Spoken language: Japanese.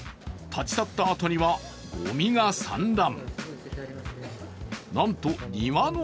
立ち去ったあとには、ごみが散乱。